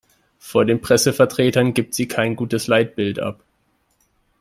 Vor den Pressevertretern gibt sie kein gutes Leitbild ab.